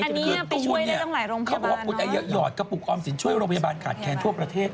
คือตูนเนี่ยเขาบอกว่าคุณอายุเยอะหยอดกระปุกออมสินช่วยโรงพยาบาลขาดแคลนทั่วประเทศ